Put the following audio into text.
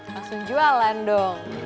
langsung jualan dong